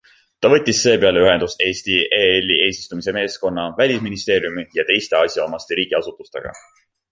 Ta võttis seepeale ühendust Eesti ELi eesistumise meeskonna, välisministeeriumi ja teiste asjaomaste riigiasutustega.